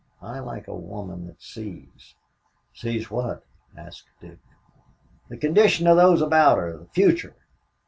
I like a woman that sees." "Sees what?" asked Dick. "The condition of those about her the future.